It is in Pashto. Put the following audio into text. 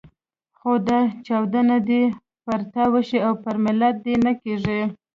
خو دا چاودنه دې پر تا وشي او پر ملت دې نه کېږي.